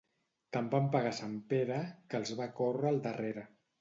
Tant van pegar a sant Pere, que els va córrer al darrere.